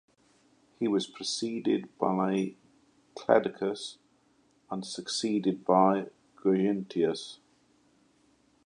He was preceded by Cledaucus and succeeded by Gurgintius.